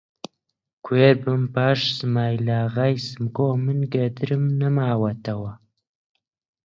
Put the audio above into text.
کوێر بم، پاش سمایلاغای سمکۆ من گەدرم نەماوەتەوە!